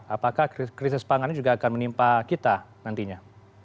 apakah krisis pangan ini juga akan menimpa kita nantinya